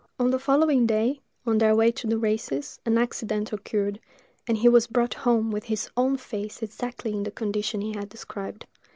On the following day, on their way to the races, an accident occurred; and he was brought home with his own face exactly in the condition he had described.